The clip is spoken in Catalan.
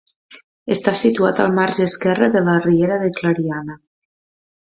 Està situat al marge esquerre de la Riera de Clariana.